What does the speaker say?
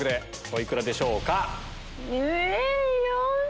お幾らでしょうか？